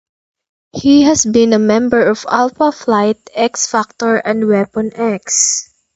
He has been a member of Alpha Flight, X-Factor, and Weapon X.